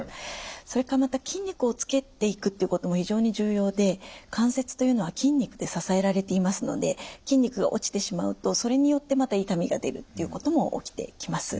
それからまた筋肉をつけていくっていうことも非常に重要で関節というのは筋肉で支えられていますので筋肉が落ちてしまうとそれによってまた痛みが出るっていうことも起きてきます。